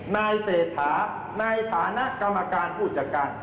นายเสถาในฐานะกรรมการผู้อุตจักร